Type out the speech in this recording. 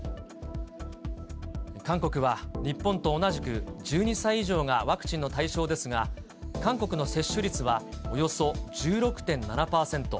韓国は日本と同じく１２歳以上がワクチンの対象ですが、韓国の接種率はおよそ１６．７％。